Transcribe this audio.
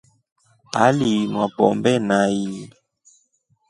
Aliinwa pombe nai.